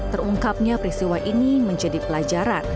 terungkapnya peristiwa ini menjadi pelajaran